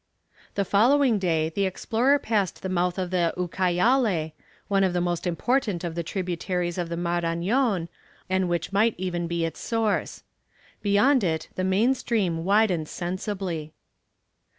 The following day the explorer passed the mouth of the Ucayale, one of the most important of the tributaries of the Marañon, and which might even be its source. Beyond it the main stream widens sensibly.